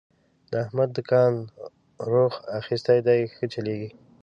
د احمد دوکان روخ اخستی دی، ښه چلېږي.